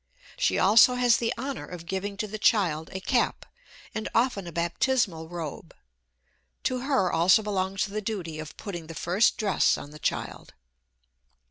She also has the honor of giving to the child a cap, and often a baptismal robe. To her also belongs the duty of putting the first dress on the child.